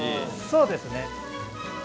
そうですね。